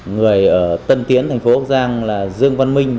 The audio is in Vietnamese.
người ở tân tiến thành phố bắc giang là dương văn minh